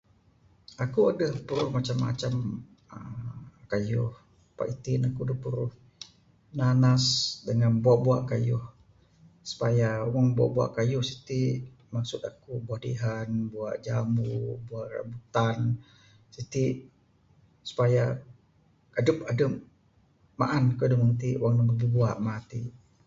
Aku adeh puruh uhh macam macam kayuh pak itin ne aku adeh puruh nanas dangan bua bua kayuh supaya wang bua bua kayuh siti maksud aku bua dihan bua jambu, bua buntan ti supaya adep adeh maan kayuh da meng ti wang ne mageh bua meng ti.